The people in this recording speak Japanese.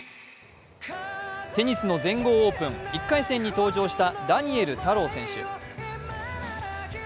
テニスの全豪オープン、１回戦に登場したダニエル太郎選手。